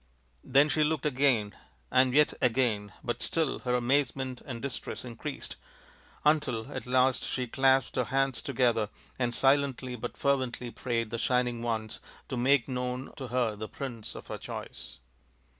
" Then she looked again and yet again, but still her amazement and distress increased, until at last she clasped her hands together and silently but fervently prayed the Shining Ones to make known to her the prince of her choice.